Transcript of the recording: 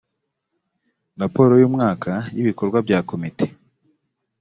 raporo y umwaka y ibikorwa bya komite